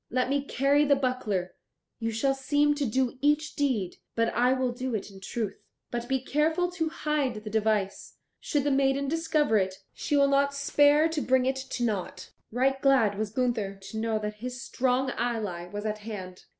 Let me carry the buckler; you shall seem to do each deed, but I will do it in truth. But be careful to hide the device. Should the maiden discover it, she will not spare to bring it to nought." Right glad was Gunther to know that his strong ally was at hand.